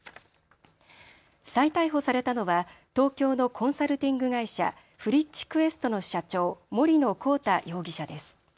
再逮捕されたのは東京のコンサルティング会社、ＦＲｉｃｈＱｕｅｓｔの社長、森野広太容疑者です。